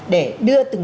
để đưa từng tầng